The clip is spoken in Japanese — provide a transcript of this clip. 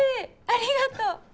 ありがとう！